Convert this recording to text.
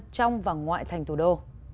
trong và ngoại thành thủ đô